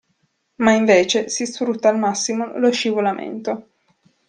Ma invece, si sfrutta al massimo lo scivolamento.